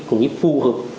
cũng như phù hợp